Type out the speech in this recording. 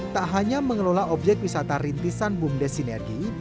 tak hanya mengelola objek wisata rintisan bumdes sinergi